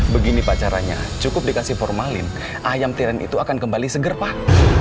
begini pak caranya cukup dikasih formalin ayam tiren itu akan kembali seger pak